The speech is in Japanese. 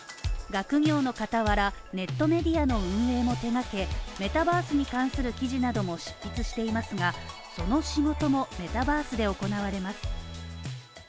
学業の傍ら、ネットメディアの運営も手がけ、メタバースに関する記事などを執筆していますが、その仕事もメタバースで行われます。